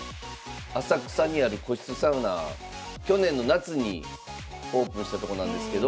浅草にある個室サウナ去年の夏にオープンしたとこなんですけど。